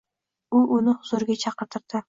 U uni huzuriga chaqirtirdi.